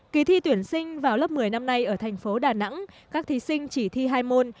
kỳ thi tuyển sinh vào lớp một mươi năm nay ở thành phố đà nẵng các thí sinh chỉ thi hai môn